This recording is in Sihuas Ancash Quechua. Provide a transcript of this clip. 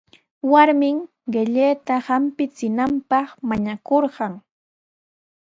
Warmin qillayta hampichinanpaq mañakuykan.